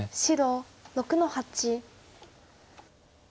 白６の八。